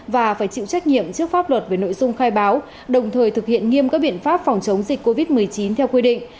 và phải chịu trách nhiệm trước pháp luật về nội dung khai báo đồng thời thực hiện nghiêm các biện pháp phòng chống dịch covid một mươi chín theo quy định